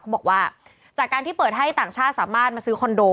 บอกว่าจากการที่เปิดให้ต่างชาติสามารถมาซื้อคอนโด